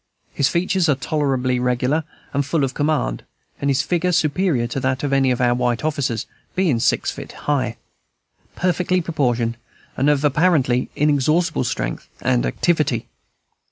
His features are tolerably regular, and full of command, and his figure superior to that of any of our white officers, being six feet high, perfectly proportioned, and of apparently inexhaustible strength and activity.